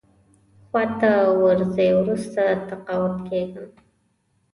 خو اته ورځې وروسته تقاعد کېږم.